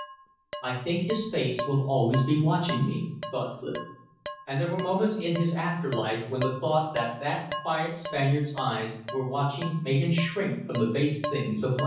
"I think his face will always be watching me," thought Clif. And there were moments in his after life when the thought that that quiet Spaniard's eyes were watching made him shrink from the base things of life.